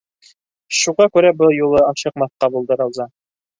Шуға күрә был юлы ашыҡмаҫҡа булды Рауза.